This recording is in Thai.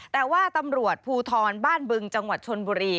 แต่ว่าตำรวจภูทรบ้านบึงจังหวัดชนบุรี